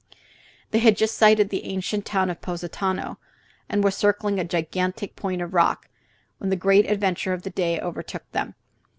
They had just sighted the ancient town of Positano and were circling a gigantic point of rock, when the great adventure of the day overtook them.